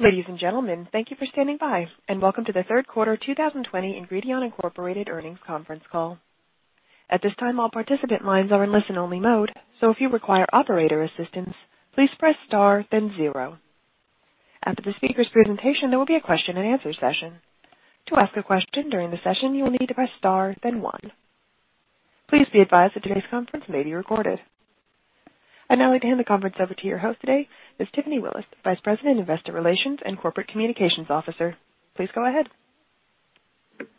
Ladies and gentlemen, thank you for standing by and welcome to the third quarter 2020 Ingredion Incorporated earnings conference call. I'd now like to hand the conference over to your host today, Ms. Tiffany Willis, Vice President, Investor Relations and Corporate Communications Officer. Please go ahead.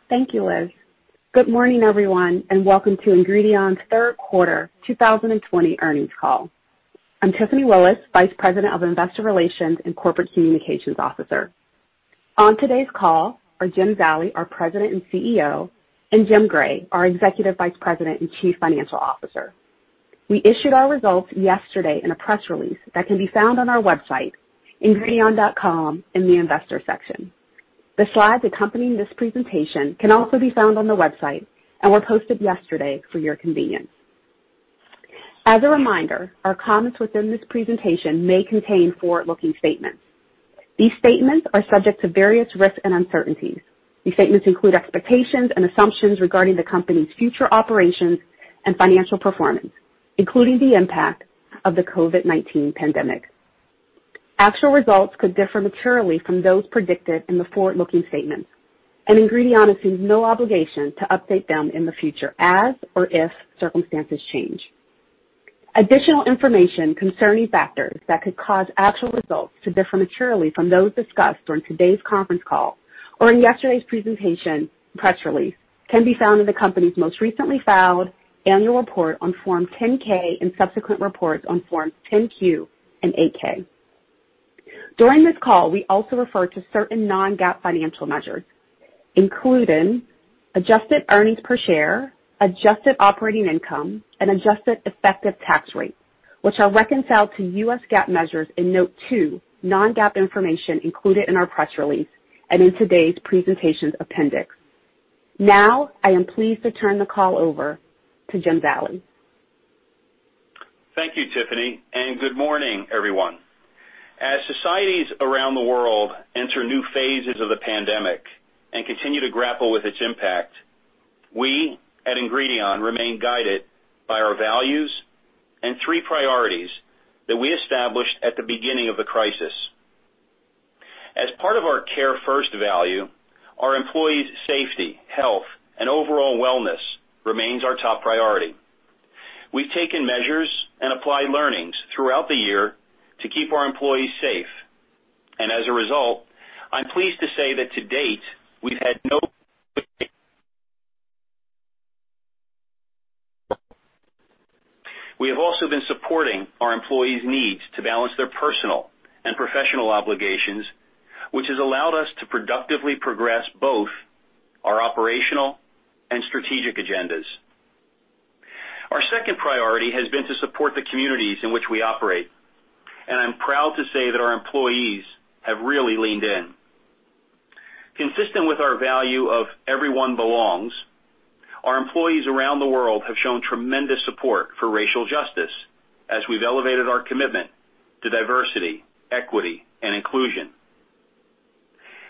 Thank you, Liz. Good morning, everyone, and welcome to Ingredion's third quarter 2020 earnings call. I'm Tiffany Willis, Vice President of Investor Relations and Corporate Communications Officer. On today's call are Jim Zallie, our President and CEO, and Jim Gray, our Executive Vice President and Chief Financial Officer. We issued our results yesterday in a press release that can be found on our website, ingredion.com, in the investor section. The slides accompanying this presentation can also be found on the website and were posted yesterday for your convenience. As a reminder, our comments within this presentation may contain forward-looking statements. These statements are subject to various risks and uncertainties. These statements include expectations and assumptions regarding the company's future operations and financial performance, including the impact of the COVID-19 pandemic. Actual results could differ materially from those predicted in the forward-looking statements. Ingredion assumes no obligation to update them in the future as or if circumstances change. Additional information concerning factors that could cause actual results to differ materially from those discussed during today's conference call or in yesterday's presentation press release can be found in the company's most recently filed annual report on Form 10-K and subsequent reports on Forms 10-Q and 8-K. During this call, we also refer to certain non-GAAP financial measures, including adjusted earnings per share, adjusted operating income, and adjusted effective tax rate, which are reconciled to U.S. GAAP measures in Note two, Non-GAAP Information, included in our press release and in today's presentation appendix. I am pleased to turn the call over to Jim Zallie. Thank you, Tiffany. Good morning, everyone. As societies around the world enter new phases of the pandemic and continue to grapple with its impact, we at Ingredion remain guided by our values and three priorities that we established at the beginning of the crisis. As part of our Care First value, our employees' safety, health, and overall wellness remains our top priority. We've taken measures and applied learnings throughout the year to keep our employees safe. As a result, I'm pleased to say that to date, we've had no. We have also been supporting our employees' needs to balance their personal and professional obligations, which has allowed us to productively progress both our operational and strategic agendas. Our second priority has been to support the communities in which we operate, and I'm proud to say that our employees have really leaned in. Consistent with our value of everyone belongs, our employees around the world have shown tremendous support for racial justice as we've elevated our commitment to diversity, equity, and inclusion.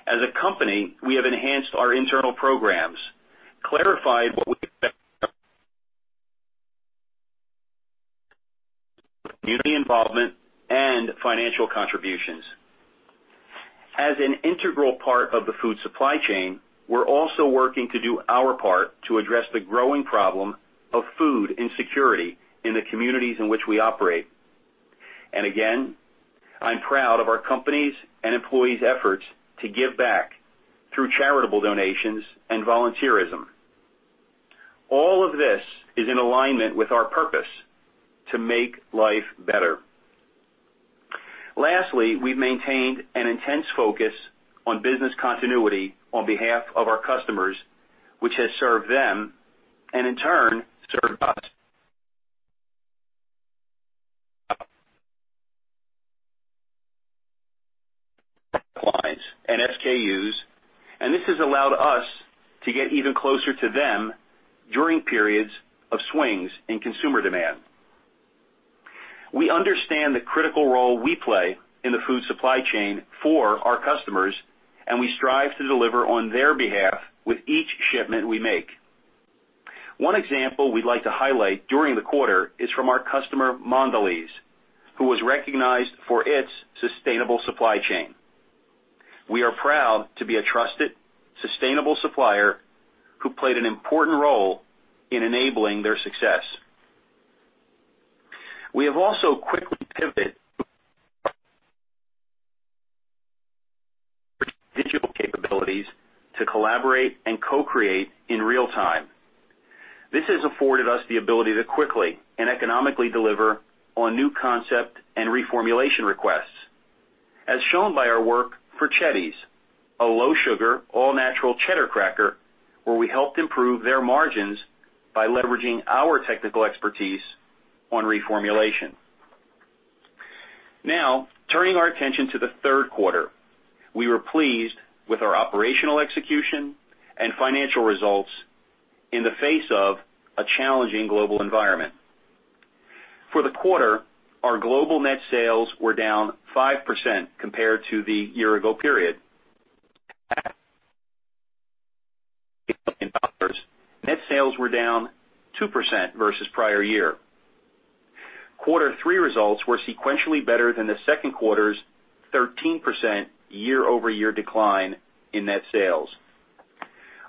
As a company, we have enhanced our internal programs, clarified what we community involvement, and financial contributions. As an integral part of the food supply chain, we're also working to do our part to address the growing problem of food insecurity in the communities in which we operate. Again, I'm proud of our company's and employees' efforts to give back through charitable donations and volunteerism. All of this is in alignment with our purpose to make life better. Lastly, we've maintained an intense focus on business continuity on behalf of our customers, which has served them and in turn, served us and SKUs. This has allowed us to get even closer to them during periods of swings in consumer demand. We understand the critical role we play in the food supply chain for our customers. We strive to deliver on their behalf with each shipment we make. One example we'd like to highlight during the quarter is from our customer, Mondelēz, who was recognized for its sustainable supply chain. We are proud to be a trusted, sustainable supplier who played an important role in enabling their success. We have also quickly pivoted digital capabilities to collaborate and co-create in real time. This has afforded us the ability to quickly and economically deliver on new concept and reformulation requests. As shown by our work for Cheddies, a low sugar, all-natural cheddar cracker where we helped improve their margins by leveraging our technical expertise on reformulation. Now, turning our attention to the third quarter, we were pleased with our operational execution and financial results in the face of a challenging global environment. For the quarter, our global net sales were down 5% compared to the year ago period. Net sales were down 2% versus prior year. Quarter three results were sequentially better than the second quarter's 13% year-over-year decline in net sales.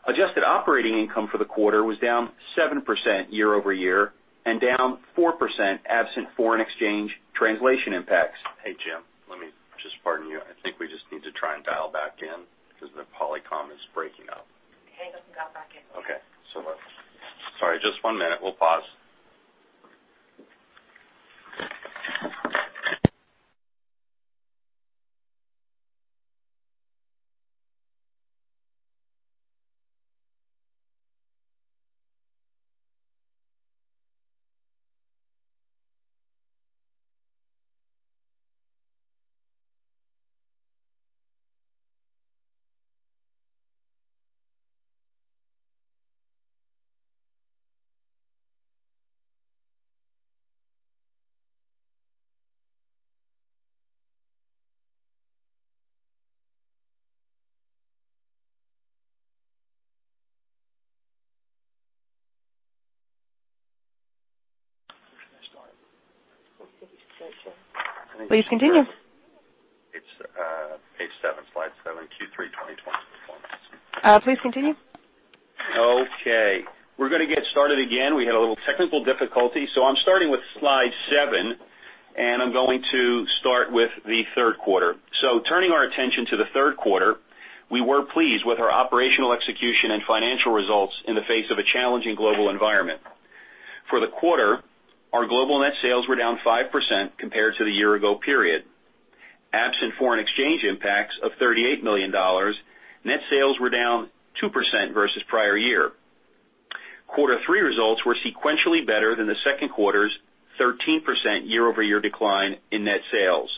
Adjusted operating income for the quarter was down 7% year-over-year and down 4% absent foreign exchange translation impacts. Hey, Jim, let me just pardon you. I think we just need to try and dial back in because the Polycom is breaking up. Okay, let's dial back in. Okay, sorry, just one minute. We'll pause. Please continue. It's page seven, slide seven, Q3 2020 performance. Please continue. Okay, we're going to get started again. We had a little technical difficulty. I'm starting with slide seven, and I'm going to start with the third quarter. Turning our attention to the third quarter, we were pleased with our operational execution and financial results in the face of a challenging global environment. For the quarter, our global net sales were down 5% compared to the year ago period. Absent foreign exchange impacts of $38 million, net sales were down 2% versus prior year. Quarter three results were sequentially better than the second quarter's 13% year-over-year decline in net sales.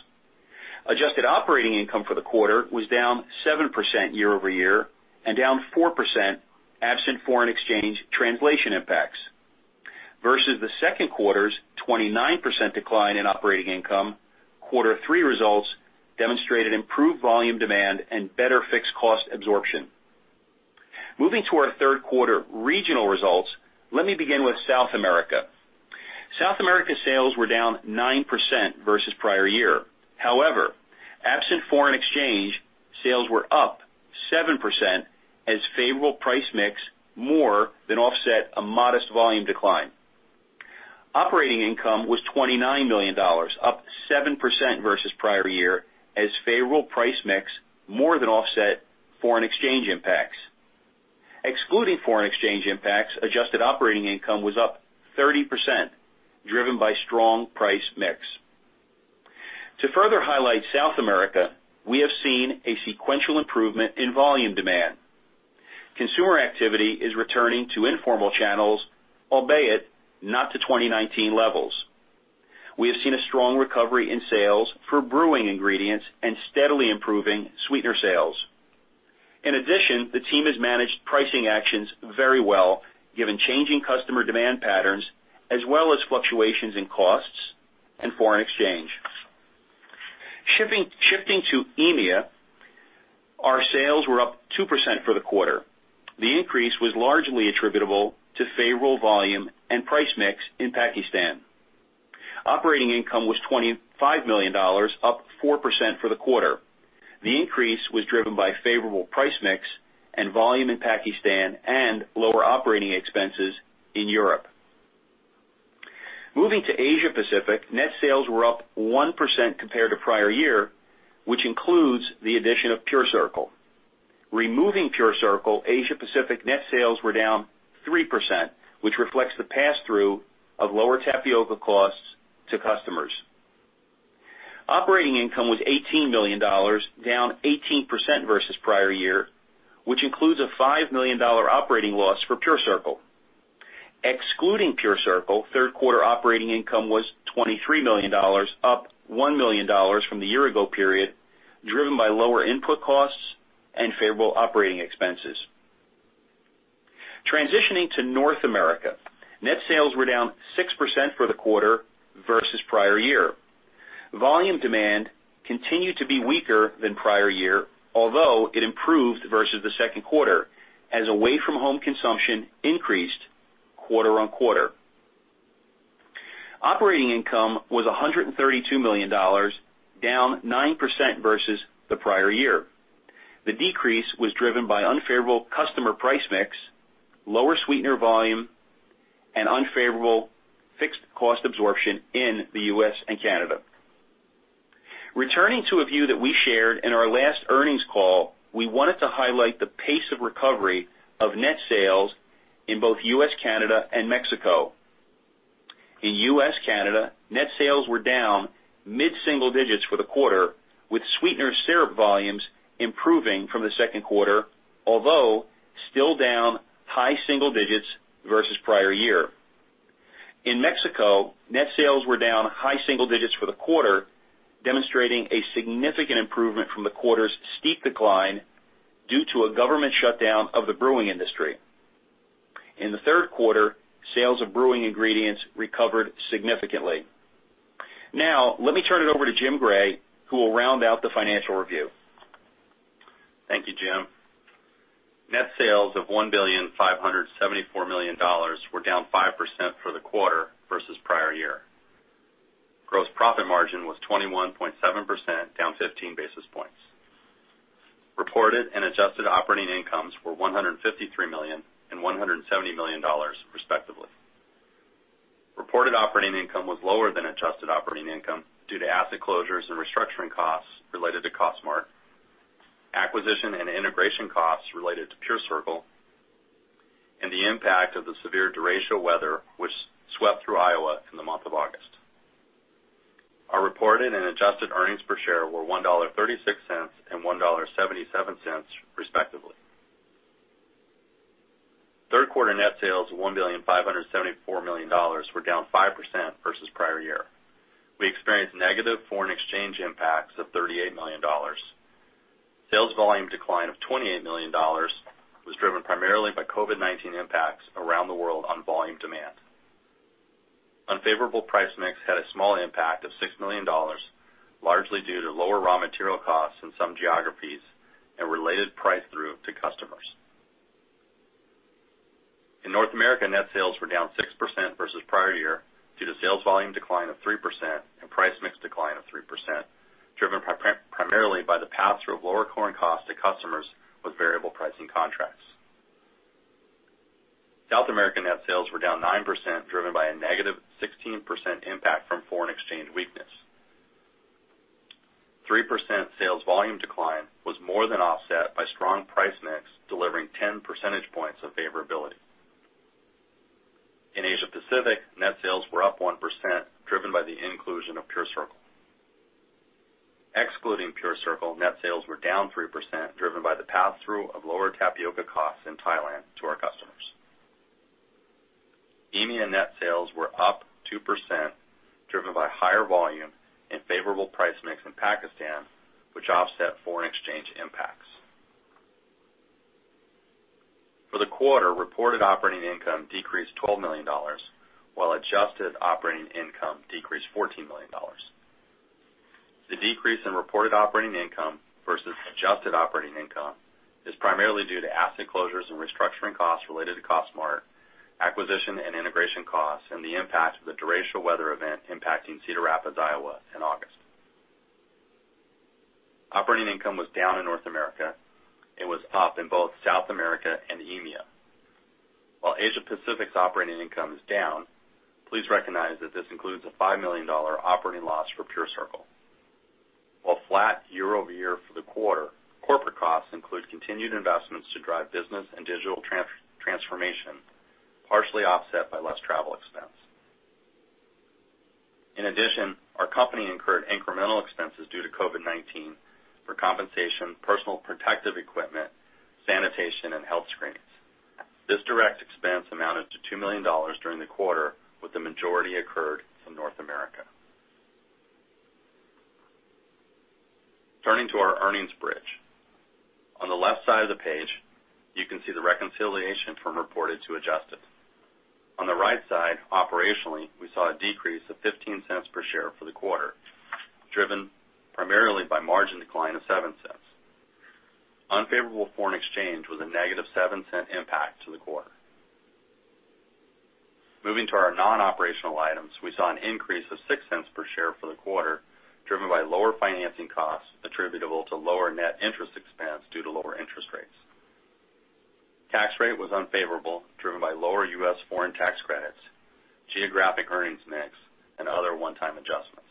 Adjusted operating income for the quarter was down 7% year-over-year and down 4% absent foreign exchange translation impacts. Versus the second quarter's 29% decline in operating income, Quarter three results demonstrated improved volume demand and better fixed cost absorption. Moving to our third quarter regional results, let me begin with South America. South America sales were down 9% versus prior year. However, absent foreign exchange, sales were up 7% as favorable price mix more than offset a modest volume decline. Operating income was $29 million, up 7% versus prior year as favorable price mix more than offset foreign exchange impacts. Excluding foreign exchange impacts, adjusted operating income was up 30%, driven by strong price mix. To further highlight South America, we have seen a sequential improvement in volume demand. Consumer activity is returning to informal channels, albeit not to 2019 levels. We have seen a strong recovery in sales for brewing ingredients and steadily improving sweetener sales. In addition, the team has managed pricing actions very well, given changing customer demand patterns as well as fluctuations in costs and foreign exchange. Shifting to EMEA, our sales were up 2% for the quarter. The increase was largely attributable to favorable volume and price mix in Pakistan. Operating income was $25 million, up 4% for the quarter. The increase was driven by favorable price mix and volume in Pakistan and lower operating expenses in Europe. Moving to Asia-Pacific, net sales were up 1% compared to prior year, which includes the addition of PureCircle. Removing PureCircle, Asia-Pacific net sales were down 3%, which reflects the pass-through of lower tapioca costs to customers. Operating income was $18 million, down 18% versus prior year, which includes a $5 million operating loss for PureCircle. Excluding PureCircle, third quarter operating income was $23 million, up $1 million from the year ago period, driven by lower input costs and favorable operating expenses. Transitioning to North America, net sales were down 6% for the quarter versus prior year. Volume demand continued to be weaker than prior year, although it improved versus the second quarter as away-from-home consumption increased quarter-over-quarter. Operating income was $132 million, down 9% versus the prior year. The decrease was driven by unfavorable customer price mix, lower sweetener volume, and unfavorable fixed cost absorption in the U.S. and Canada. Returning to a view that we shared in our last earnings call, we wanted to highlight the pace of recovery of net sales in both U.S., Canada, and Mexico. In U.S., Canada, net sales were down mid-single digits for the quarter, with sweetener syrup volumes improving from the second quarter, although still down high single digits versus prior year. In Mexico, net sales were down high single digits for the quarter, demonstrating a significant improvement from the quarter's steep decline due to a government shutdown of the brewing industry. In the third quarter, sales of brewing ingredients recovered significantly. Now, let me turn it over to Jim Gray, who will round out the financial review. Thank you, Jim. Net sales of $1,574 million were down 5% for the quarter versus prior year. Gross profit margin was 21.7%, down 15 basis points. Reported and adjusted operating incomes were $153 million and $170 million respectively. Reported operating income was lower than adjusted operating income due to asset closures and restructuring costs related to Cost Smart, acquisition and integration costs related to PureCircle, and the impact of the severe derecho weather which swept through Iowa in the month of August. Our reported and adjusted earnings per share were $1.36 and $1.77 respectively. third quarter net sales of $1,574 million were down 5% versus prior year. We experienced negative foreign exchange impacts of $38 million. Sales volume decline of $28 million was driven primarily by COVID-19 impacts around the world on volume demand. Unfavorable price mix had a small impact of $6 million, largely due to lower raw material costs in some geographies and related price through to customers. In North America, net sales were down 6% versus prior year due to sales volume decline of 3% and price mix decline of 3%, driven primarily by the pass-through of lower corn costs to customers with variable pricing contracts. South American net sales were down 9%, driven by a negative 16% impact from foreign exchange weakness. 3% sales volume decline was more than offset by strong price mix, delivering 10 percentage points of favorability. In Asia Pacific, net sales were up 1%, driven by the inclusion of PureCircle. Excluding PureCircle, net sales were down 3%, driven by the pass-through of lower tapioca costs in Thailand to our customers. EMEA net sales were up 2%, driven by higher volume and favorable price mix in Pakistan, which offset foreign exchange impacts. For the quarter, reported operating income decreased $12 million, while adjusted operating income decreased $14 million. The decrease in reported operating income versus adjusted operating income is primarily due to asset closures and restructuring costs related to Cost Smart, acquisition and integration costs, and the impact of the derecho weather event impacting Cedar Rapids, Iowa in August. Operating income was down in North America. It was up in both South America and EMEA. While Asia Pacific's operating income is down, please recognize that this includes a $5 million operating loss for PureCircle. While flat year-over-year for the quarter, corporate costs include continued investments to drive business and digital transformation, partially offset by less travel expense. In addition, our company incurred incremental expenses due to COVID-19 for compensation, personal protective equipment, sanitation and health screens. This direct expense amounted to $2 million during the quarter, with the majority occurred from North America. Turning to our earnings bridge. On the left side of the page, you can see the reconciliation from reported to adjusted. On the right side, operationally, we saw a decrease of $0.15 per share for the quarter, driven primarily by margin decline of $0.07. Unfavorable foreign exchange was a negative $0.07 impact to the quarter. Moving to our non-operational items, we saw an increase of $0.06 per share for the quarter, driven by lower financing costs attributable to lower net interest expense due to lower interest rates. Tax rate was unfavorable, driven by lower U.S. foreign tax credits, geographic earnings mix, and other one-time adjustments.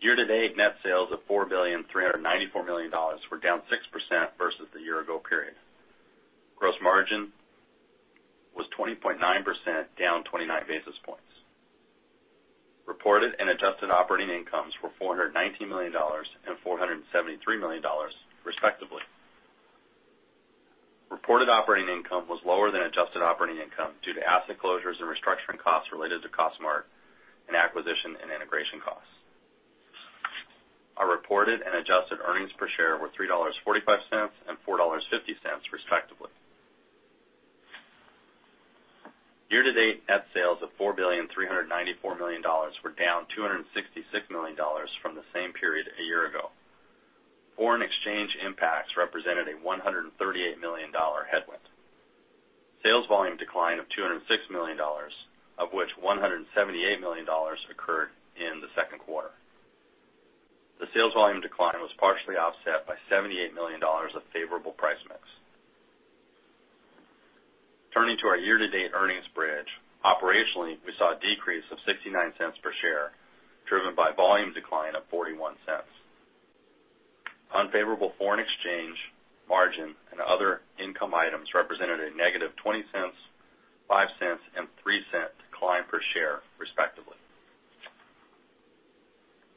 Year-to-date net sales of $4 billion, 394 million were down 6% versus the year ago period. Gross margin was 20.9%, down 29 basis points. Reported and adjusted operating incomes were $419 million and $473 million respectively. Reported operating income was lower than adjusted operating income due to asset closures and restructuring costs related to Cost Smart and acquisition and integration costs. Our reported and adjusted earnings per share were $3.45 and $4.50 respectively. Year-to-date, net sales of $4 billion, 394 million were down $266 million from the same period a year ago. Foreign exchange impacts represented a $138 million headwind. Sales volume decline of $206 million, of which $178 million occurred in the second quarter. The sales volume decline was partially offset by $78 million of favorable price mix. Turning to our year-to-date earnings bridge. Operationally, we saw a decrease of $0.69 per share, driven by volume decline of $0.41. Unfavorable foreign exchange margin and other income items represented a negative $0.20, $0.05 and $0.03 decline per share respectively.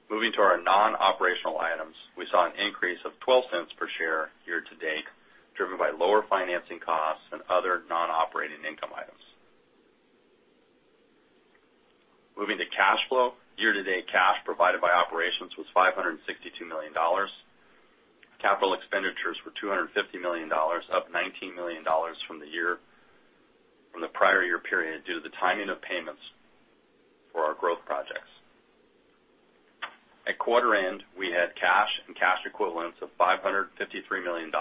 Moving to our non-operational items, we saw an increase of $0.12 per share year to date, driven by lower financing costs and other non-operating income items. Moving to cash flow, year-to-date cash provided by operations was $562 million. Capital expenditures were $250 million, up $19 million from the prior year period due to the timing of payments for our growth projects. At quarter end, we had cash and cash equivalents of $553 million.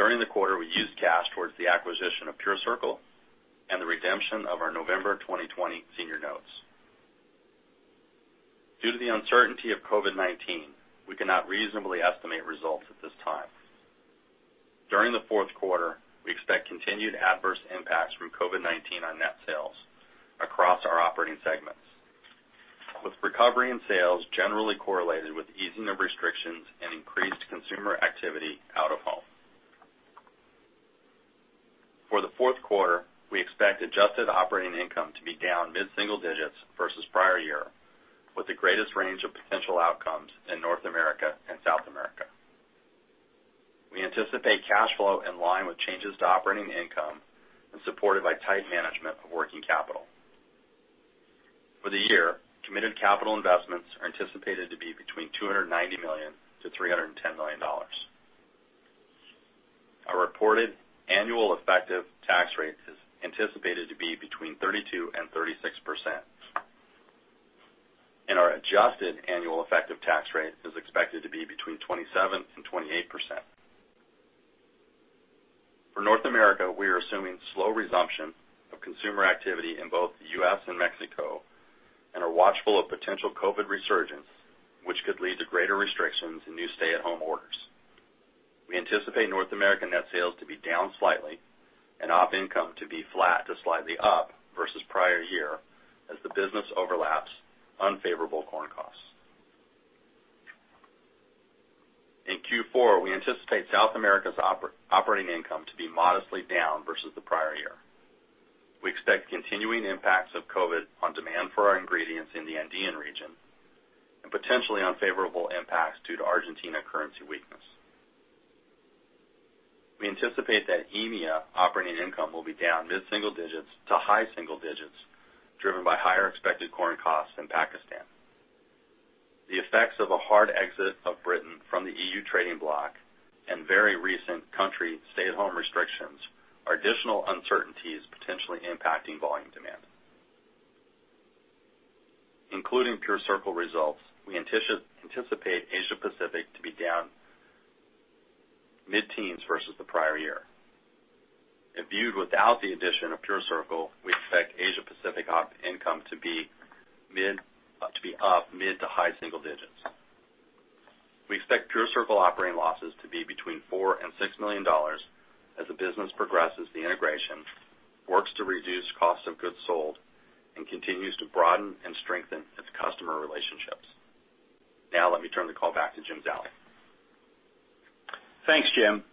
During the quarter, we used cash towards the acquisition of PureCircle and the redemption of our November 2020 senior notes. Due to the uncertainty of COVID-19, we cannot reasonably estimate results at this time. During the fourth quarter, we expect continued adverse impacts from COVID-19 on net sales across our operating segments, with recovery in sales generally correlated with easing of restrictions and increased consumer activity out of home. For the fourth quarter, we expect adjusted operating income to be down mid-single digits versus the prior year, with the greatest range of potential outcomes in North America and South America. We anticipate cash flow in line with changes to operating income and supported by tight management of working capital. For the year, committed capital investments are anticipated to be between $290 million-$310 million. Our reported annual effective tax rate is anticipated to be between 32% and 36%, and our adjusted annual effective tax rate is expected to be between 27% and 28%. For North America, we are assuming slow resumption of consumer activity in both the U.S. and Mexico, and are watchful of potential COVID-19 resurgence, which could lead to greater restrictions and new stay-at-home orders. We anticipate North American net sales to be down slightly and op income to be flat to slightly up versus the prior year as the business overlaps unfavorable corn costs. In Q4, we anticipate South America's operating income to be modestly down versus the prior year. We expect continuing impacts of COVID-19 on demand for our ingredients in the Andean region and potentially unfavorable impacts due to Argentina currency weakness. We anticipate that EMEA operating income will be down mid-single digits to high single digits, driven by higher expected corn costs in Pakistan. The effects of a hard exit of Britain from the EU trading bloc and very recent country stay-at-home restrictions are additional uncertainties potentially impacting volume demand. Including PureCircle results, we anticipate Asia Pacific to be down mid-teens versus the prior year. If viewed without the addition of PureCircle, we expect Asia Pacific op income to be up mid to high single digits. We expect PureCircle operating losses to be between $4 million-$6 million as the business progresses the integration, works to reduce cost of goods sold, and continues to broaden and strengthen its customer relationships. Let me turn the call back to Jim Zallie. Thanks, Jim.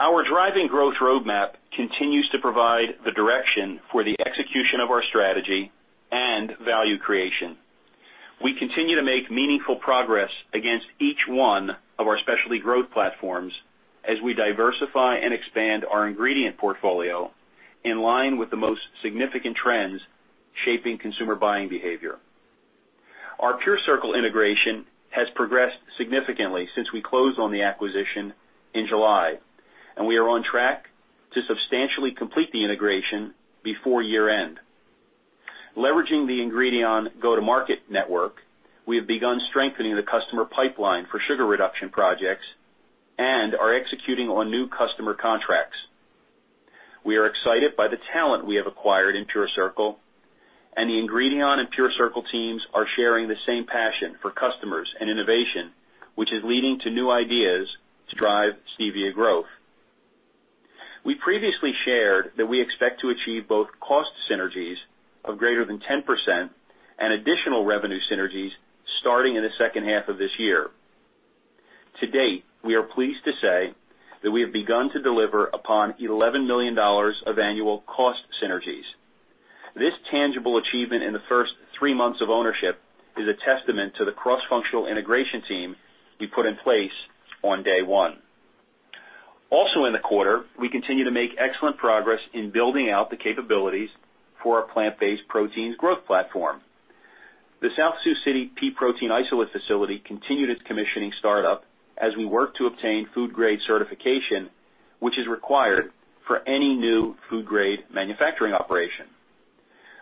Our driving growth roadmap continues to provide the direction for the execution of our strategy and value creation. We continue to make meaningful progress against each one of our specialty growth platforms as we diversify and expand our ingredient portfolio in line with the most significant trends shaping consumer buying behavior. Our PureCircle integration has progressed significantly since we closed on the acquisition in July. We are on track to substantially complete the integration before year-end. Leveraging the Ingredion go-to-market network, we have begun strengthening the customer pipeline for sugar reduction projects and are executing on new customer contracts. We are excited by the talent we have acquired in PureCircle. The Ingredion and PureCircle teams are sharing the same passion for customers and innovation, which is leading to new ideas to drive stevia growth. We previously shared that we expect to achieve both cost synergies of greater than 10% and additional revenue synergies starting in the second half of this year. To date, we are pleased to say that we have begun to deliver upon $11 million of annual cost synergies. This tangible achievement in the first three months of ownership is a testament to the cross-functional integration team we put in place on day one. Also in the quarter, we continue to make excellent progress in building out the capabilities for our plant-based proteins growth platform. The South Sioux City pea protein isolate facility continued its commissioning startup as we work to obtain food grade certification, which is required for any new food grade manufacturing operation.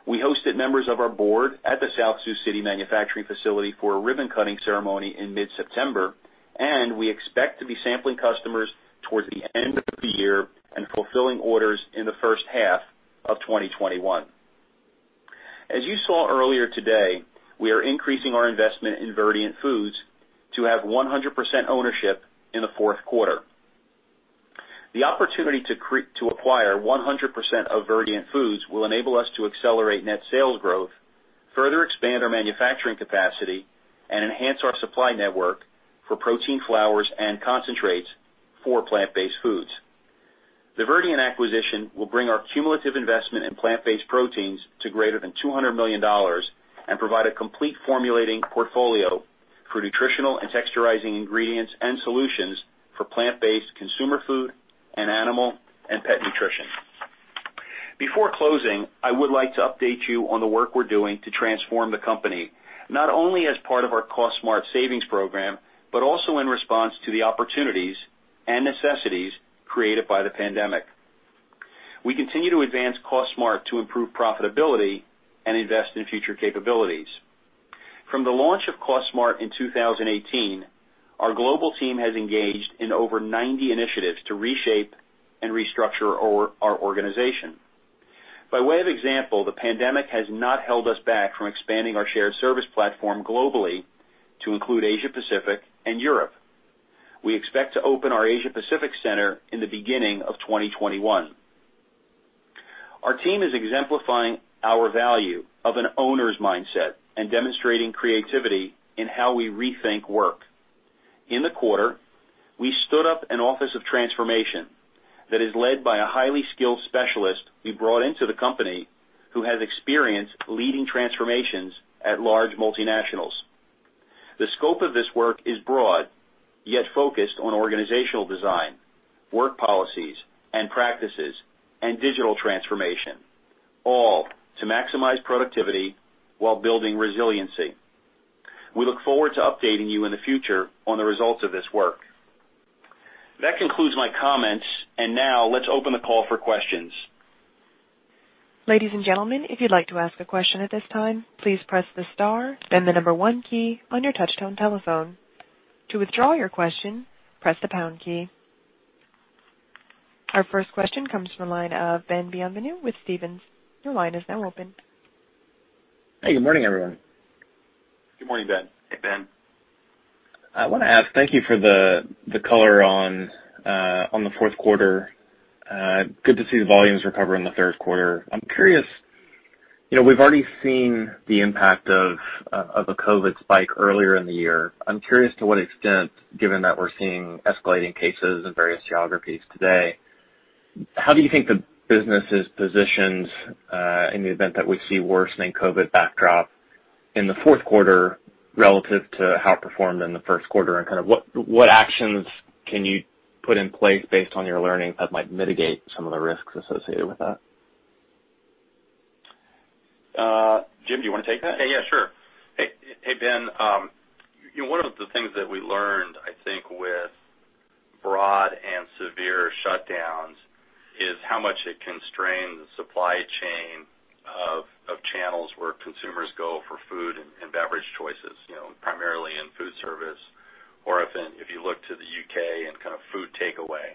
We hosted members of our board at the South Sioux City manufacturing facility for a ribbon-cutting ceremony in mid-September, and we expect to be sampling customers towards the end of the year and fulfilling orders in the first half of 2021. As you saw earlier today, we are increasing our investment in Verdient Foods to have 100% ownership in the fourth quarter. The opportunity to acquire 100% of Verdient Foods will enable us to accelerate net sales growth, further expand our manufacturing capacity, and enhance our supply network for protein flours and concentrates for plant-based foods. The Verdient acquisition will bring our cumulative investment in plant-based proteins to greater than $200 million and provide a complete formulating portfolio for nutritional and texturizing ingredients and solutions for plant-based consumer food and animal and pet nutrition. Before closing, I would like to update you on the work we're doing to transform the company, not only as part of our Cost Smart savings program, but also in response to the opportunities and necessities created by the pandemic. We continue to advance Cost Smart to improve profitability and invest in future capabilities. From the launch of Cost Smart in 2018, our global team has engaged in over 90 initiatives to reshape and restructure our organization. By way of example, the pandemic has not held us back from expanding our shared service platform globally to include Asia Pacific and Europe. We expect to open our Asia Pacific Center in the beginning of 2021. Our team is exemplifying our value of an owner's mindset and demonstrating creativity in how we rethink work. In the quarter, we stood up an office of transformation that is led by a highly skilled specialist we brought into the company who has experience leading transformations at large multinationals. The scope of this work is broad, yet focused on organizational design, work policies and practices, and digital transformation, all to maximize productivity while building resiliency. We look forward to updating you in the future on the results of this work. That concludes my comments, and now let's open the call for questions. Our first question comes from the line of Ben Bienvenu with Stephens. Your line is now open. Hey, good morning, everyone. Good morning, Ben. Hey, Ben. Thank you for the color on the fourth quarter. Good to see the volumes recover in the third quarter. I'm curious, we've already seen the impact of a COVID spike earlier in the year. I'm curious to what extent, given that we're seeing escalating cases in various geographies today, how do you think the business is positioned in the event that we see worsening COVID backdrop in the fourth quarter relative to how it performed in the first quarter? What actions can you put in place based on your learning that might mitigate some of the risks associated with that? Jim, do you want to take that? Yeah, sure. Hey, Ben. One of the things that we learned, I think, with broad and severe shutdowns is how much it can strain the supply chain of channels where consumers go for food and beverage choices, primarily in food service or if you look to the U.K. and food takeaway.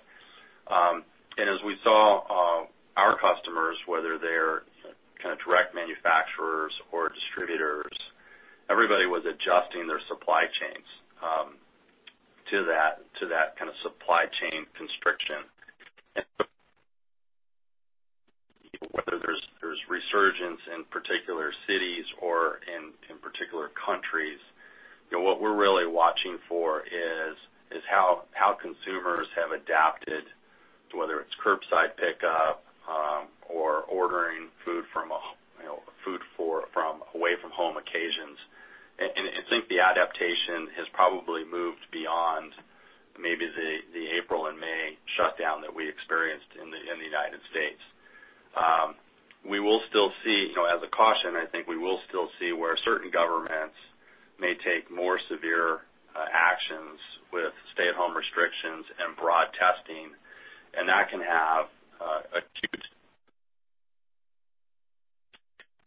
As we saw our customers, whether they're direct manufacturers or distributors, everybody was adjusting their supply chains to that kind of supply chain constriction. Whether there's resurgence in particular cities or in particular countries, what we're really watching for is how consumers have adapted to whether it's curbside pickup or ordering food from away-from-home occasions. I think the adaptation has probably moved beyond maybe the April and May shutdown that we experienced in the U.S. As a caution, I think we will still see where certain governments may take more severe actions with stay-at-home restrictions and broad testing, and that can have acute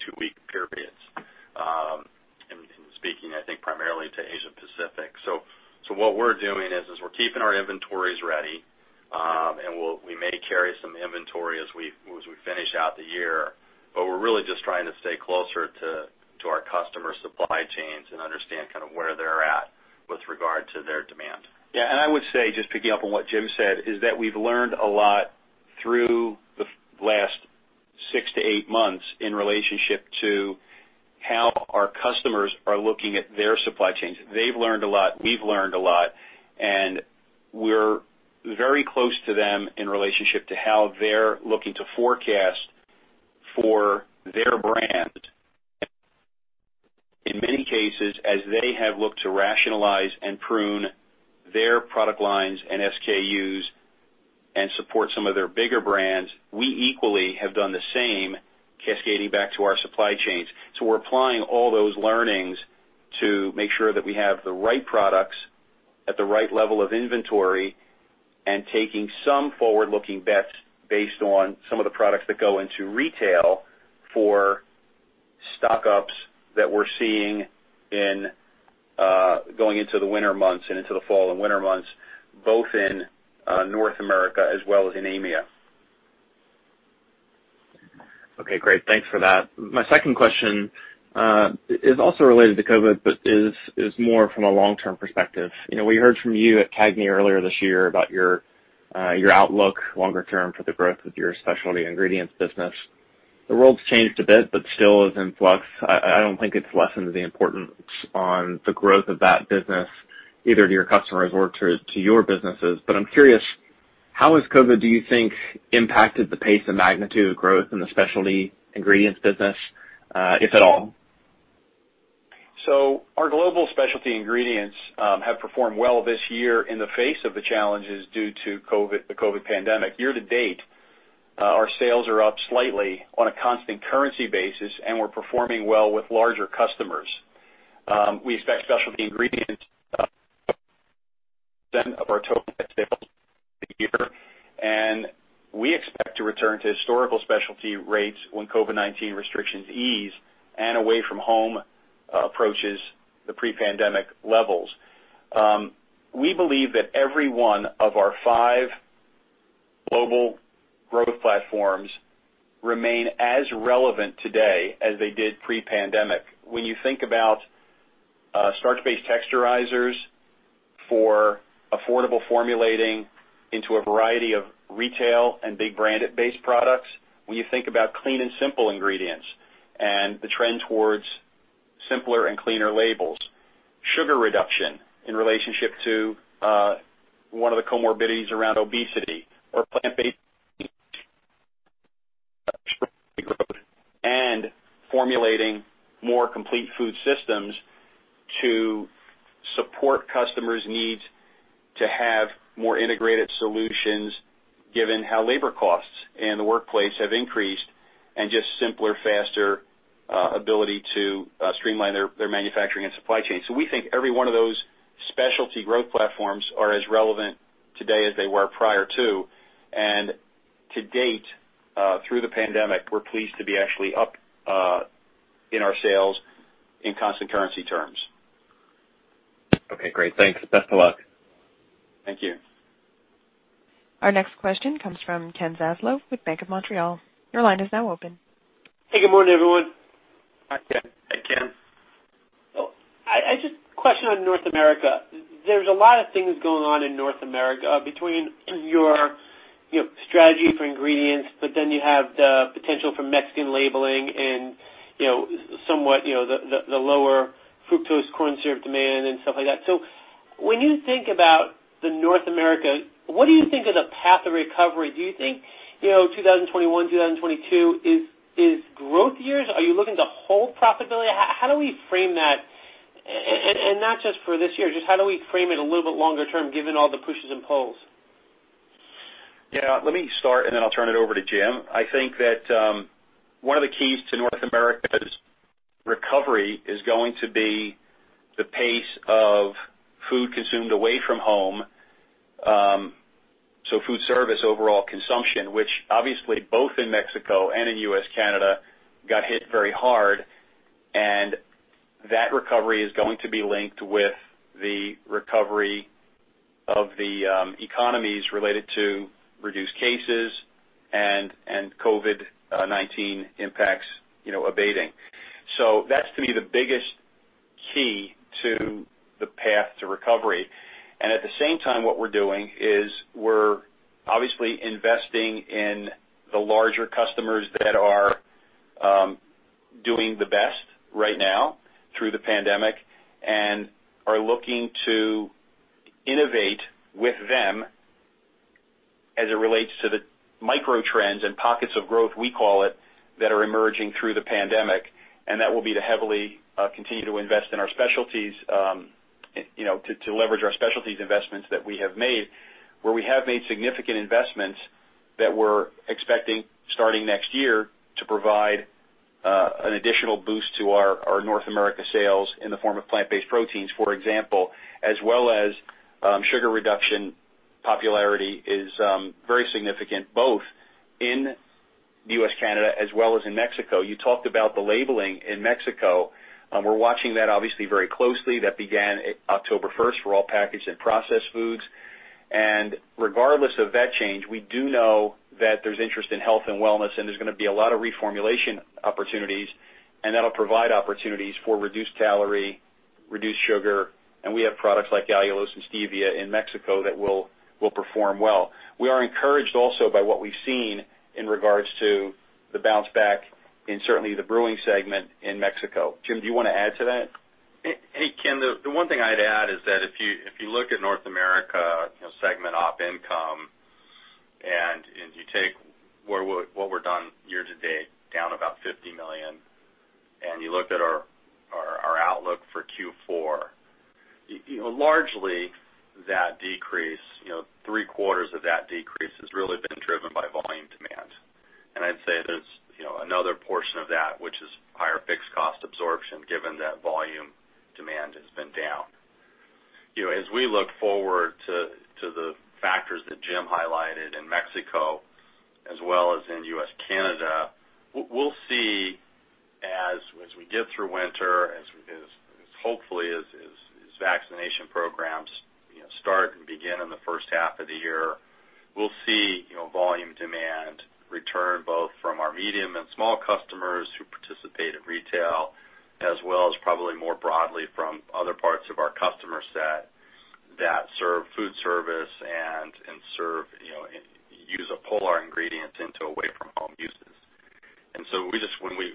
two-week periods. I'm speaking, I think, primarily to Asia Pacific. What we're doing is we're keeping our inventories ready, and we may carry some inventory as we finish out the year, but we're really just trying to stay closer to our customer supply chains and understand where they're at with regard to their demand. Yeah, I would say, just picking up on what Jim said, is that we've learned a lot through the last six to eight months in relationship to how our customers are looking at their supply chains. They've learned a lot, we've learned a lot, we're very close to them in relationship to how they're looking to forecast for their brand. In many cases, as they have looked to rationalize and prune their product lines and SKUs and support some of their bigger brands, we equally have done the same cascading back to our supply chains. We're applying all those learnings to make sure that we have the right products at the right level of inventory and taking some forward-looking bets based on some of the products that go into retail for stock-ups that we're seeing going into the winter months and into the fall and winter months, both in North America as well as in EMEA. Okay, great. Thanks for that. My second question is also related to COVID, but is more from a long-term perspective. We heard from you at CAGNY earlier this year about your outlook longer term for the growth of your specialty ingredients business. The world's changed a bit, but still is in flux. I don't think it's lessened the importance on the growth of that business, either to your customers or to your businesses. I'm curious. How has COVID, do you think, impacted the pace and magnitude of growth in the specialty ingredients business, if at all? Our global specialty ingredients have performed well this year in the face of the challenges due to the COVID pandemic. Year to date, our sales are up slightly on a constant currency basis. We're performing well with larger customers. We expect specialty ingredients of our total sales for the year. We expect to return to historical specialty rates when COVID-19 restrictions ease and away-from-home approaches the pre-pandemic levels. We believe that every one of our five global growth platforms remain as relevant today as they did pre-pandemic. When you think about starch-based texturizers for affordable formulating into a variety of retail and big branded-based products, when you think about clean and simple ingredients and the trend towards simpler and cleaner labels, sugar reduction in relationship to one of the comorbidities around obesity or plant-based growth and formulating more complete food systems to support customers' needs to have more integrated solutions, given how labor costs in the workplace have increased and just simpler, faster ability to streamline their manufacturing and supply chain. We think every one of those specialty growth platforms are as relevant today as they were prior to. To date, through the pandemic, we're pleased to be actually up in our sales in constant currency terms. Okay, great. Thanks. Best of luck. Thank you. Our next question comes from Ken Zaslow with Bank of Montreal. Hey, good morning, everyone. Hi, Ken. Hey, Ken. Just a question on North America. There is a lot of things going on in North America between your strategy for ingredients, but then you have the potential for Mexican labeling and somewhat the lower fructose corn syrup demand and stuff like that. When you think about North America, what do you think is a path of recovery? Do you think 2021, 2022 is growth years? Are you looking to hold profitability? How do we frame that, and not just for this year, just how do we frame it a little bit longer term, given all the pushes and pulls? Yeah, let me start, and then I'll turn it over to Jim. I think that one of the keys to North America's recovery is going to be the pace of food consumed away from home, so food service overall consumption, which obviously both in Mexico and in U.S., Canada, got hit very hard. That recovery is going to be linked with the recovery of the economies related to reduced cases and COVID-19 impacts abating. That's, to me, the biggest key to the path to recovery. At the same time, what we're doing is we're obviously investing in the larger customers that are doing the best right now through the pandemic and are looking to innovate with them as it relates to the micro trends and pockets of growth, we call it, that are emerging through the pandemic. That will be to heavily continue to invest in our specialties, to leverage our specialties investments that we have made, where we have made significant investments that we're expecting starting next year to provide an additional boost to our North America sales in the form of plant-based proteins, for example, as well as sugar reduction popularity is very significant, both in U.S., Canada, as well as in Mexico. You talked about the labeling in Mexico. We're watching that obviously very closely. That began October 1st for all packaged and processed foods. Regardless of that change, we do know that there's interest in health and wellness, and there's going to be a lot of reformulation opportunities, and that'll provide opportunities for reduced calorie, reduced sugar, and we have products like allulose and stevia in Mexico that will perform well. We are encouraged also by what we've seen in regards to the bounce back in certainly the brewing segment in Mexico. Jim, do you want to add to that? Hey, Ken, the one thing I'd add is that if you look at North America segment op income and you take what we're down year to date, down about $50 million, and you looked at our outlook for Q4, largely that decrease, three-quarters of that decrease has really been driven by volume demand. I'd say there's another portion of that which is higher fixed cost absorption given that volume demand has been down. As we look forward to the factors that Jim highlighted in Mexico as well as in U.S., Canada, we'll see as we get through winter, as hopefully these vaccination programs start and begin in the first half of the year, we'll see volume demand return both from our medium and small customers who participate in retail, as well as probably more broadly from other parts of our customer set that serve food service and use or pull our ingredients into away-from-home uses. When we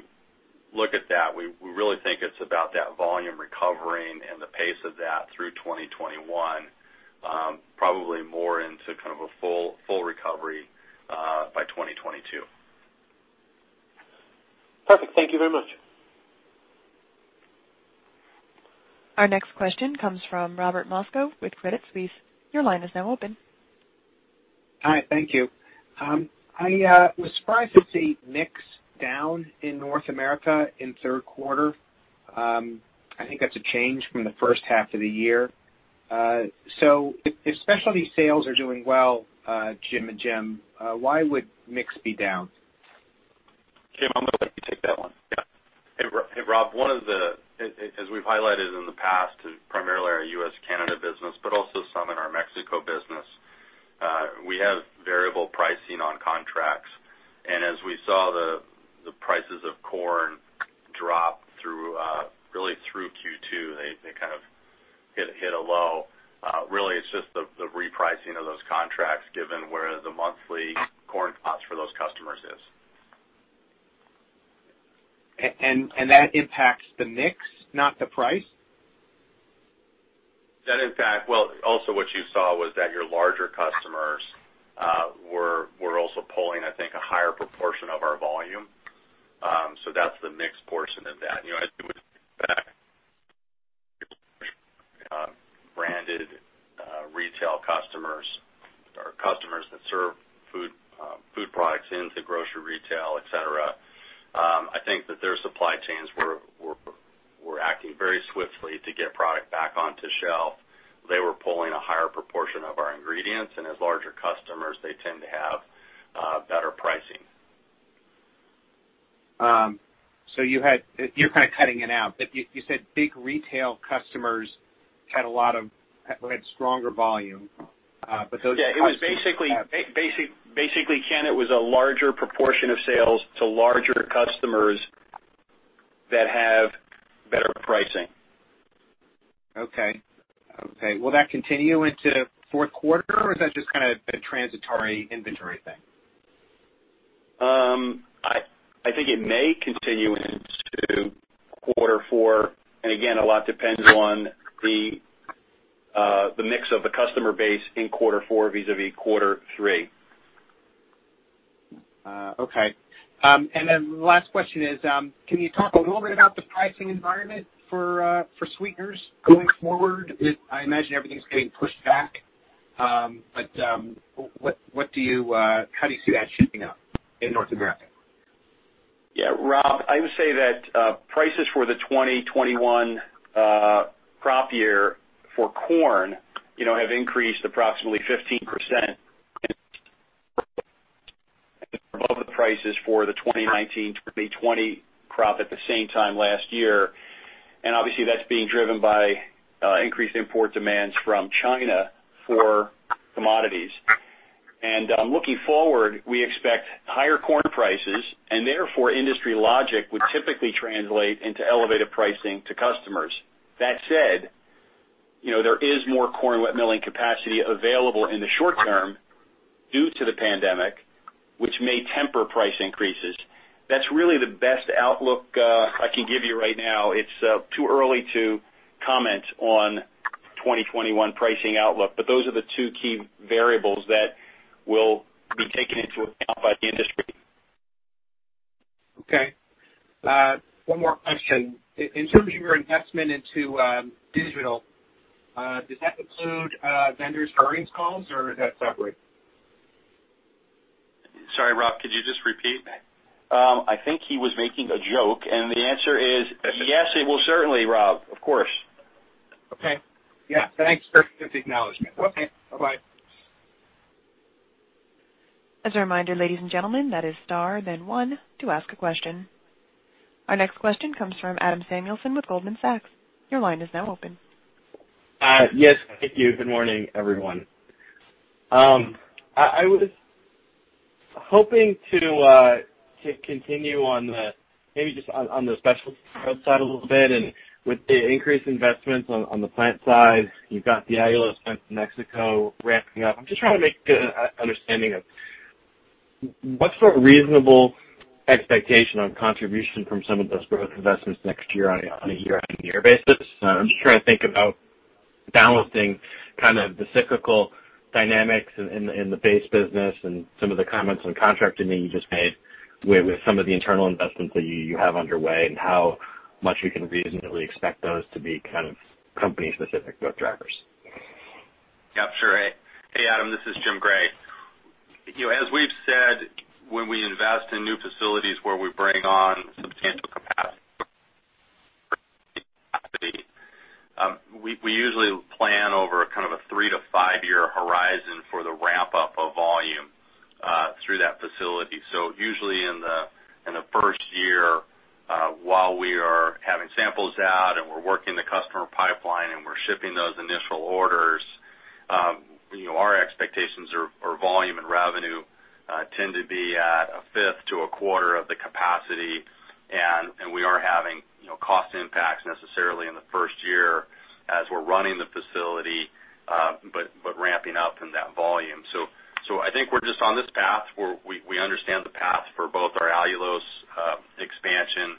look at that, we really think it's about that volume recovering and the pace of that through 2021, probably more into kind of a full recovery by 2022. Perfect. Thank you very much. Our next question comes from Robert Moskow with Credit Suisse. Your line is now open. Hi. Thank you. I was surprised to see mix down in North America in the third quarter. I think that's a change from the first half of the year. If specialty sales are doing well, Jim and Jim, why would mix be down? Jim, I'm gonna let you take that one. Yeah. Hey, Rob. As we've highlighted in the past, primarily our U.S., Canada business, but also some in our Mexico business, we have variable pricing on contracts. As we saw the prices of corn drop really through Q2, they kind of hit a low. Really, it's just the repricing of those contracts given where the monthly corn cost for those customers is. That impacts the mix, not the price? Also what you saw was that your larger customers were also pulling, I think, a higher proportion of our volume. That's the mix portion of that. As we look back branded retail customers or customers that serve food products into grocery, retail, et cetera, I think that their supply chains were acting very swiftly to get product back onto shelf. They were pulling a higher proportion of our ingredients, and as larger customers, they tend to have better pricing. You're kind of cutting in and out, but you said big retail customers had a lot of stronger volume. Yeah, basically, Ken, it was a larger proportion of sales to larger customers that have better pricing. Okay. Will that continue into the fourth quarter, or is that just kind of a transitory inventory thing? I think it may continue into quarter four. Again, a lot depends on the mix of the customer base in quarter four vis-à-vis quarter three. Okay. The last question is, can you talk a little bit about the pricing environment for sweeteners going forward? I imagine everything's getting pushed back, but how do you see that shaping up in North America? Yeah, Rob, I would say that prices for the 2021 crop year for corn have increased approximately 15% above the prices for the 2019/2020 crop at the same time last year. Obviously, that's being driven by increased import demands from China for commodities. Looking forward, we expect higher corn prices and therefore industry logic would typically translate into elevated pricing to customers. That said, there is more corn wet milling capacity available in the short term due to the pandemic, which may temper price increases. That's really the best outlook I can give you right now. It's too early to comment on 2021 pricing outlook, those are the two key variables that will be taken into account by the industry. Okay. One more question. In terms of your investment into digital, does that include vendors' earnings calls or is that separate? Sorry, Rob, could you just repeat? I think he was making a joke. The answer is yes, it will certainly, Rob. Of course. Okay. Yeah. Thanks for the acknowledgment. Okay. Bye-bye. As a reminder, ladies and gentlemen, that is star then one to ask a question. Our next question comes from Adam Samuelson with Goldman Sachs. Your line is now open. Yes. Thank you. Good morning, everyone. I was hoping to continue on maybe just on the specialty side a little bit and with the increased investments on the plant side, you've got the Ayala plant in Mexico ramping up. I'm just trying to make a understanding of what sort of reasonable expectation on contribution from some of those growth investments next year on a year-on-year basis. I'm just trying to think about balancing kind of the cyclical dynamics in the base business and some of the comments on contracting that you just made with some of the internal investments that you have underway and how much we can reasonably expect those to be kind of company-specific growth drivers. Yeah, sure. Hey, Adam. This is Jim Gray. As we've said, when we invest in new facilities where we bring on substantial capacity we usually plan over a three to five-year horizon for the ramp-up of volume through that facility. usually in the first year, while we are having samples out and we're working the customer pipeline and we're shipping those initial orders, our expectations are volume and revenue tend to be at a fifth to a quarter of the capacity, and we are having cost impact necessarily in the first year. We're running the facility, but ramping up in that volume. I think we're just on this path where we understand the path for both our allulose expansion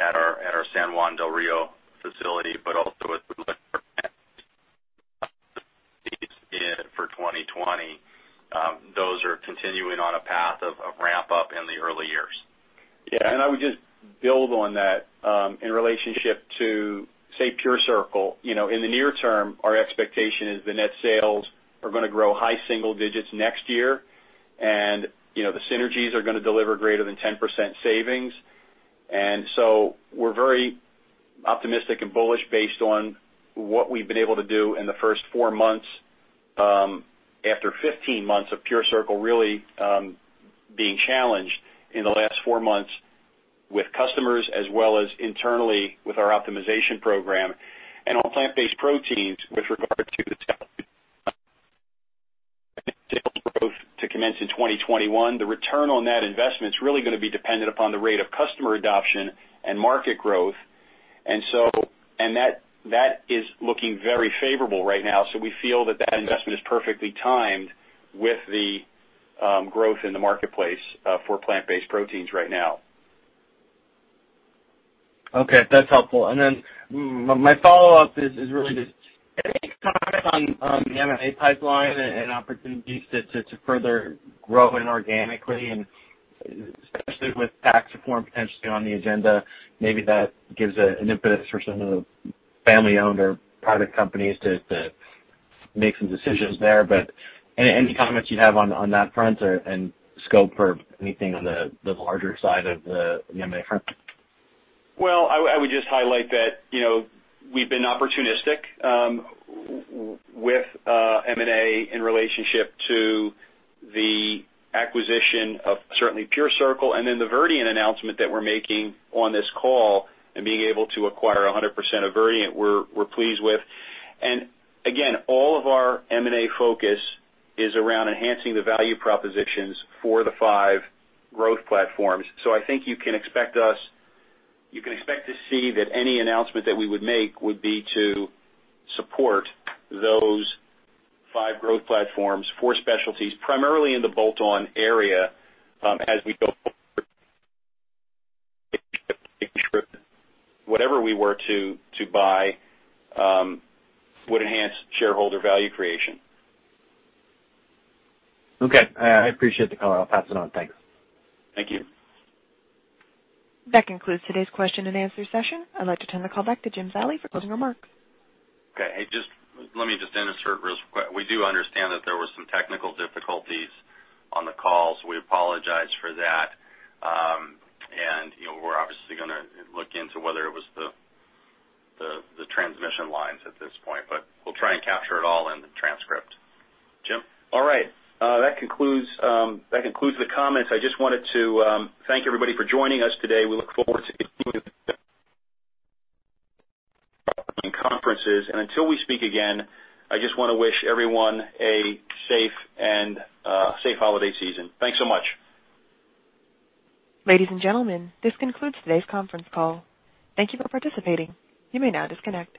at our San Juan del Río facility, but also in for 2020. Those are continuing on a path of ramp-up in the early years. Yeah. I would just build on that, in relationship to, say, PureCircle. In the near term, our expectation is the net sales are going to grow high single digits next year. The synergies are going to deliver greater than 10% savings. We're very optimistic and bullish based on what we've been able to do in the first four months, after 15 months of PureCircle really being challenged in the last four months with customers as well as internally with our optimization program. On plant-based proteins, with regard to the sales growth to commence in 2021. The return on that investment's really going to be dependent upon the rate of customer adoption and market growth. That is looking very favorable right now. We feel that that investment is perfectly timed with the growth in the marketplace for plant-based proteins right now. Okay. That's helpful. My follow-up is really just any comment on the M&A pipeline and opportunities to further grow inorganically and especially with tax reform potentially on the agenda, maybe that gives an impetus for some of the family-owned or private companies to make some decisions there. Any comments you have on that front or, and scope for anything on the larger side of the M&A front? I would just highlight that we've been opportunistic with M&A in relationship to the acquisition of certainly PureCircle, and then the Verdient announcement that we're making on this call and being able to acquire 100% of Verdient, we're pleased with. Again, all of our M&A focus is around enhancing the value propositions for the five growth platforms. I think you can expect to see that any announcement that we would make would be to support those five growth platforms, four specialties, primarily in the bolt-on area, as we go. Whatever we were to buy would enhance shareholder value creation. Okay. I appreciate the color. I'll pass it on. Thanks. Thank you. That concludes today's question and answer session. I'd like to turn the call back to Jim Zallie for closing remarks. Okay. Hey, just let me just insert real quick. We do understand that there were some technical difficulties on the call. We apologize for that. We're obviously gonna look into whether it was the transmission lines at this point. We'll try and capture it all in the transcript. Jim? All right. That concludes the comments. I just wanted to thank everybody for joining us today. We look forward to conferences, until we speak again, I just w ant to wish everyone a safe holiday season. Thanks so much. Ladies and gentlemen, this concludes today's conference call. Thank you for participating. You may now disconnect.